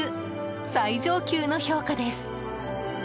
最上級の評価です！